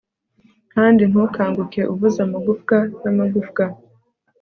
Kandi ntukanguke uvuza amagufwa namagufwa